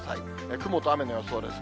雲と雨の予想です。